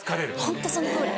ホントそのとおり。